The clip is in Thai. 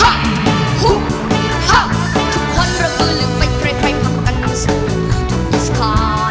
ฮะฮุฮะทุกคนระเบือเหลือไว้เครื่อยพักประกันรู้สึกทุกดิสการ